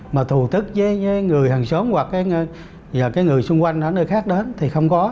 mà thù tức với người hàng xóm hoặc người xung quanh ở nơi khác đến thì không có